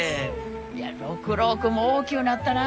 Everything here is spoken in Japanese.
いや六郎君も大きゅうなったなあ。